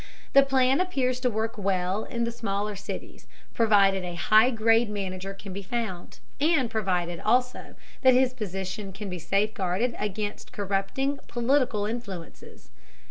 The plan appears to work well in the smaller cities, provided a high grade manager can be found, and provided, also, that his position can be safeguarded against corrupting political influences.